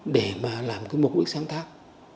để mà làm cái mục đích sáng tác